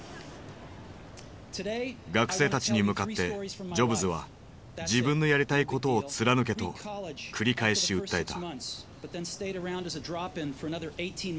学生たちに向かってジョブズは「自分のやりたいことを貫け」と繰り返し訴えた。